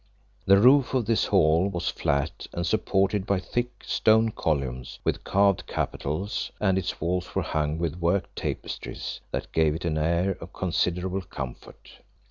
The roof of this hall was flat and supported by thick, stone columns with carved capitals, and its walls were hung with worked tapestries, that gave it an air of considerable comfort.